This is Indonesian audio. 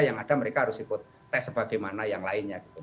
yang ada mereka harus ikut tes bagaimana yang lainnya